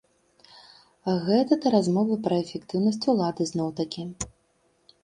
Гэта да размовы пра эфектыўнасць улады зноў-такі.